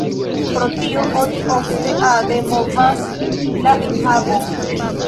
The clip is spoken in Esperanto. Pro tio oni ofte ade movas la enhavon.